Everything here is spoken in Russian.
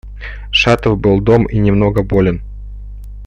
Шатов был дома и немного болен.